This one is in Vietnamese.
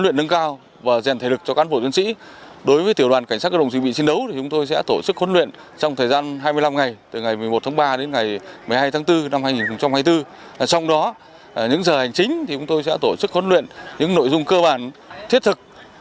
năm hai nghìn hai mươi bốn trong đó những giờ hành chính chúng tôi sẽ tổ chức huấn luyện những nội dung cơ bản thiết thực